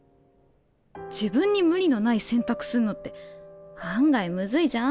自分に無理のない選択すんのって案外むずいじゃん。